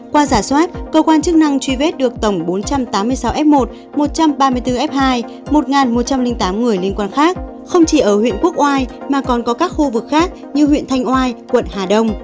qua giả soát cơ quan chức năng truy vết được tổng bốn trăm tám mươi sáu f một một trăm ba mươi bốn f hai một trăm linh tám người liên quan khác không chỉ ở huyện quốc oai mà còn có các khu vực khác như huyện thanh oai quận hà đông